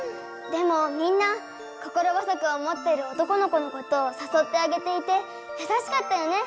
でもみんな心細く思ってる男の子のことをさそってあげていてやさしかったよね。